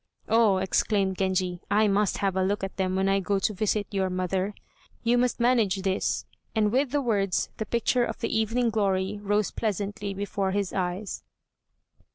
"Oh," exclaimed Genji, "I must have a look at them when I go to visit your mother; you must manage this," and with the words the picture of the "Evening Glory" rose pleasantly before his eyes.